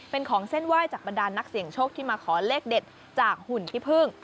เป็นของเส้นไหว้จากบรรดานนักเสี่ยงโชคที่มาขอเลขเด็ดจากหุ่นขี้พึ่ง